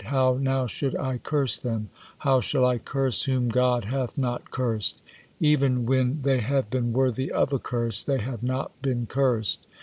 How now should I curse them? How shall I curse whom God hath not cursed? Even when they have been worthy of a curse, they have not been cursed.